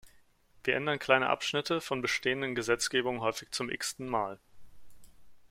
Wir ändern kleine Abschnitte von bestehenden Gesetzgebungen häufig zum x-ten Mal.